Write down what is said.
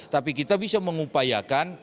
tapi kita bisa mengupayakan